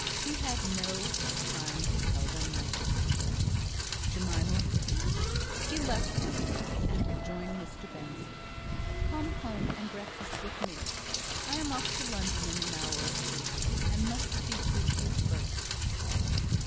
He had no time to tell them more; Jemima would. He left them, and rejoined Mr Benson. "Come home and breakfast with me. I am off to London in an hour or two, and must speak with you first."